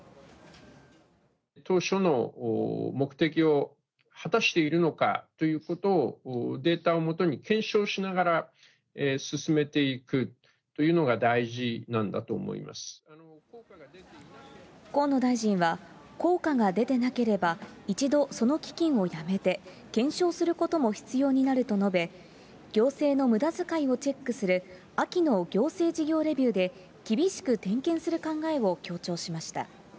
当初の目的を果たしているのかということを、データを基に検証しながら進めていくというのが大事なんだと思い河野大臣は、効果が出てなければ一度その基金をやめて、検証することも必要になると述べ、行政のむだづかいをチェックする秋の行政事業レビューで、厳しく点検する考えを強調しました。